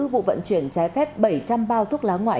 vụ vận chuyển trái phép bảy trăm linh bao thuốc lá ngoại